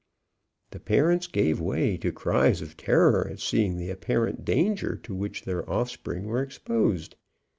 The parents gave way to cries of terror at seeing the apparent danger to which their offspring were exposed.